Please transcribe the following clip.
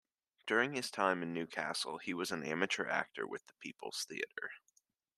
During his time in Newcastle he was an amateur actor with the People's Theatre.